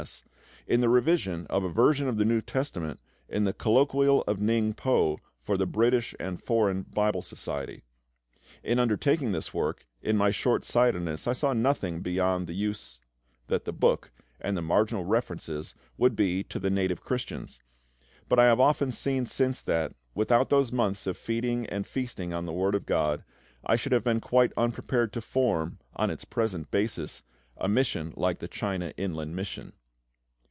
S., in the revision of a version of the New Testament in the colloquial of Ningpo for the British and Foreign Bible Society. In undertaking this work, in my short sightedness I saw nothing beyond the use that the Book, and the marginal references, would be to the native Christians; but I have often seen since that, without those months of feeding and feasting on the Word of GOD, I should have been quite unprepared to form, on its present basis, a mission like the CHINA INLAND MISSION.